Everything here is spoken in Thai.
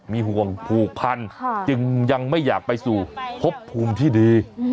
มีห่วงผูกพันจึงยังไม่อยากไปสู่พบภูมิที่ดี